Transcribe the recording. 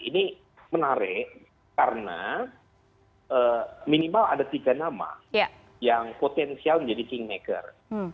ini menarik karena minimal ada tiga nama yang potensial menjadi kingmaker